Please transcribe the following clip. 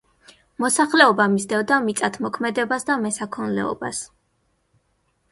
მოსახლეობა მისდევდა მიწათმოქმედებას და მესაქონლეობას.